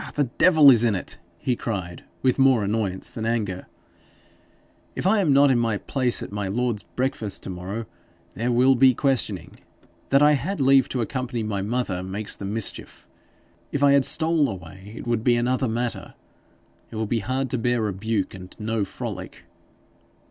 'The devil is in it!' he cried, with more annoyance than anger. 'If I am not in my place at my lord's breakfast to morrow, there will be questioning. That I had leave to accompany my mother makes the mischief. If I had stole away, it would be another matter. It will be hard to bear rebuke, and no frolic.'